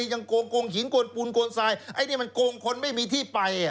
ยังกรงหิงกรงปูนกรงสายไอ้นี่มันกรงคนไม่มีที่ไป